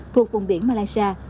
thuộc vùng biển malaysia